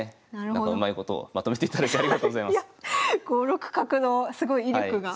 ５六角のすごい威力が。